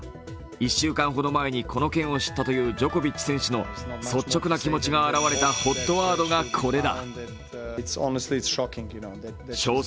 １週間ほど前にこの件を知ったというジョコビッチ選手の率直な気持ちが表れたＨＯＴワードがこれだ。